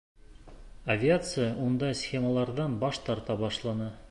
Авиация ундай схемаларҙан баш тарта башланы.